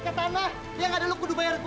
kang jangan diam dulu siang